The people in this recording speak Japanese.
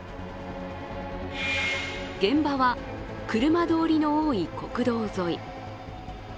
現場は車通りの多い国道沿い。